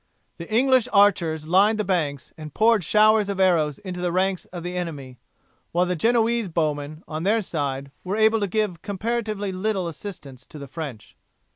The English archers lined the banks, and poured showers of arrows into the ranks of the enemy, while the Genoese bowmen on their side were able to give comparatively little assistance to the French.